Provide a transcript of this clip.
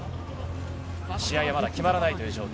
試合はまだ決まらないという状況。